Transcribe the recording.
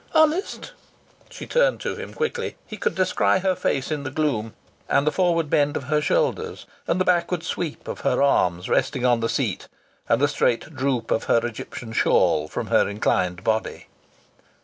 "Honest?" She turned to him quickly. He could descry her face in the gloom, and the forward bend of her shoulders, and the backward sweep of her arms resting on the seat, and the straight droop of her Egyptian shawl from her inclined body.